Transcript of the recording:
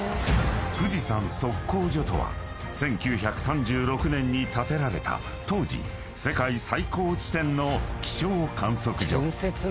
［富士山測候所とは１９３６年に建てられた当時世界最高地点の気象観測所］